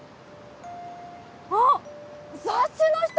あっ雑誌の人！